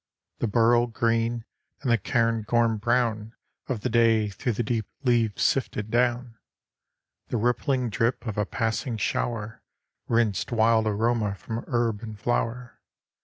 The beryl green and the cairngorm brown Of the day through the deep leaves sifted down. The rippling drip of a passing shower Rinsed wild aroma from herb and flower.